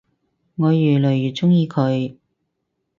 我愈來愈鍾意佢